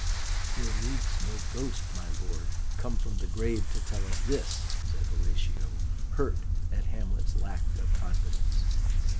"There needs no ghost, my lord, come from the grave to tell us this," said Horatio, hurt at Hamlet's lack of confidence.